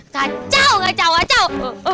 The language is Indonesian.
kacau kacau kacau